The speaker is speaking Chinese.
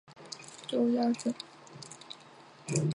周家镇的天然气供应同时停止。